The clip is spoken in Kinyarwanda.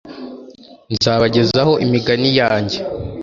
nzabagezaho imigani yanjye